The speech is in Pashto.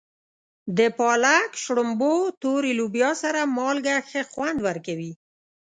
د پالک، شړومبو، تورې لوبیا سره مالګه ښه خوند ورکوي.